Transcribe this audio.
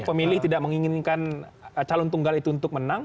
pemilih tidak menginginkan calon tunggal itu untuk menang